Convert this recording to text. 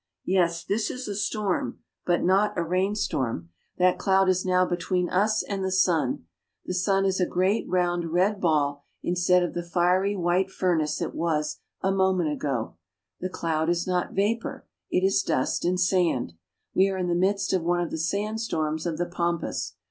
Yes, this is a storm, but not a rainstorm. That cloud is now between us and the sun. The sun is a great round red ball instead of the fiery white furnace it was a moment ago. The cloud is not vapor. It is dust and sand. We are in the midst of one of the sand storms of the pampas.